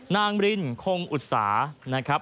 นางบิลลินโคงอุตสานะครับ